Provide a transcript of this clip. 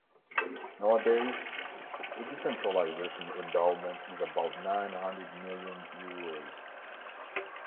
Nowadays, the decentralization endowment is about nine hundred millions euros.